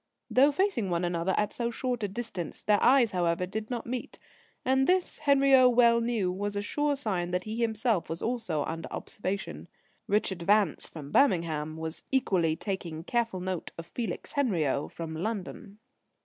Though facing one another at so short a distance, their eyes, however, did not meet. And this, Henriot well knew, was a sure sign that he himself was also under observation. Richard Vance, from Birmingham, was equally taking careful note of Felix Henriot, from London.